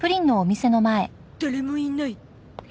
誰もいない。